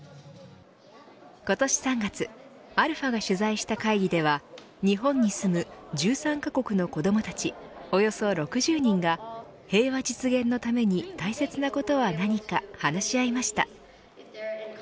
今年３月、αが取材した会議では日本に住む１３カ国の子どもたちおよそ６０人が平和実現のために大切なことは何か話し合いました。